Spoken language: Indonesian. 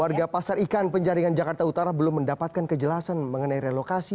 warga pasar ikan penjaringan jakarta utara belum mendapatkan kejelasan mengenai relokasi